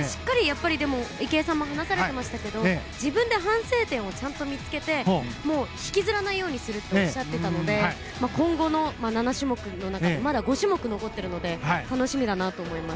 でも、池江さんも話していましたが自分で反省点をちゃんと見つけて引きずらないようにするとおっしゃっていたので今後、７種目中まだ５種目残っているので楽しみだなと思います。